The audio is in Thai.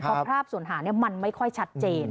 เพราะภาพส่วนหามันไม่ค่อยชัดเจน